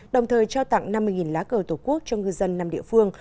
đồng thời trao tặng năm mươi lá cờ tổ quốc cho ngư dân năm địa phương